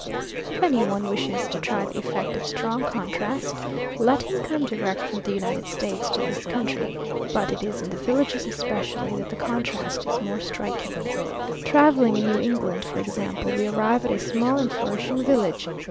If any one wishes to try the effect of strong contrast, let him come direct from the United States to this country; but it is in the villages especially that the contrast is most striking. Travelling in New England, for example, we arrive at a small and flourishing village.